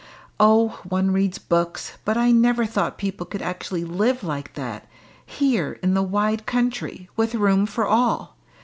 Oh! one reads books, but I never thought people could actually live like that here in the wide country, with room for all.